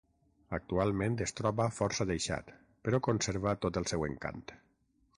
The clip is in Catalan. Actualment es troba força deixat, però conserva tot el seu encant.